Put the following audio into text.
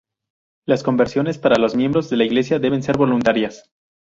Las conversiones para los miembros de la Iglesia deben ser voluntarias.